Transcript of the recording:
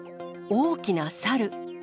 大きなサル。